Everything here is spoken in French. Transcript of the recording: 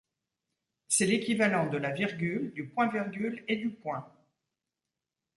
C'est l’équivalent de la virgule, du point-virgule et du point.